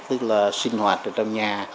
tức là sinh hoạt ở trong nhà